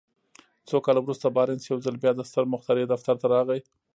څو کاله وروسته بارنس يو ځل بيا د ستر مخترع دفتر ته راغی.